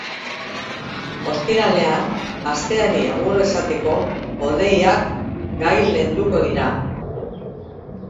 Ostiralean, asteari agur esateko, hodeiak gailenduko dira.